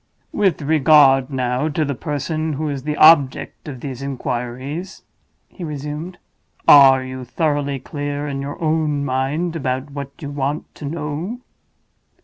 "With regard, now, to the person who is the object of these inquiries," he resumed. "Are you thoroughly clear in your own mind about what you want to know?"